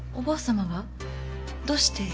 どうして？